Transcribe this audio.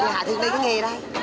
hạ thường đây có nghề đây